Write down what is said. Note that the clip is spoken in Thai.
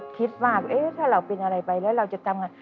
คิดว่าถ้าเราเป็นอะไรไปแล้วเราจะทำไง